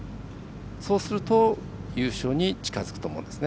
そうすると、優勝に近づくと思うんですね。